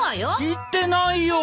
言ってないよ。